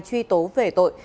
truy tố về tội